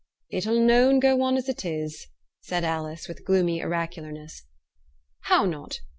'It'll noane go on as it is,' said Alice, with gloomy oracularness. 'How not?'